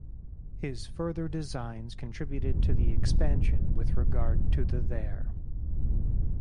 His further designs contributed to the expansion with regard to the there.